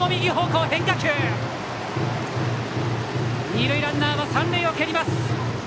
二塁ランナーは三塁を蹴ります。